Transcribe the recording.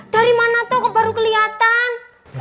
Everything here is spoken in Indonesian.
dari mana tau baru kelihatan